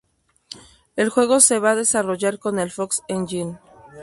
El juego se va a desarrollar con el Fox Engine.